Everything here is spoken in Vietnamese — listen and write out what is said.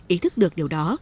ý thức được điều đó